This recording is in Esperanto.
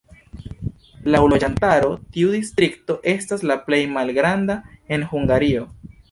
Laŭ loĝantaro tiu distrikto estas la plej malgranda en Hungario.